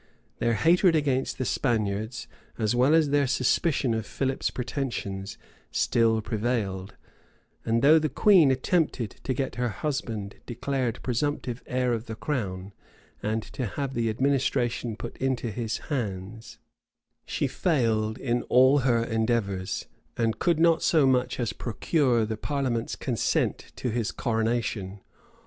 Their hatred against the Spaniards, as well as their suspicion of Philip's pretensions, still prevailed; and though the queen attempted to get her husband declared presumptive heir of the crown, and to have the administration put into his hands, she failed in all her endeavors, and could not so much as procure the parliament's consent to his coronation.